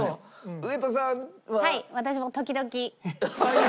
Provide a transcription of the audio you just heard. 上戸さんは。